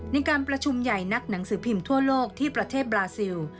ในการประชุมใหญ่นักหนังสือพิมพ์ทั่วโลกที่ประเทศบราซิล